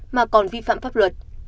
mà còn vi phạm pháp luật